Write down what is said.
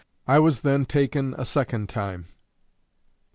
I was then taken a second time.